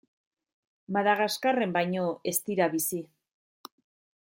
Madagaskarren baino ez dira bizi.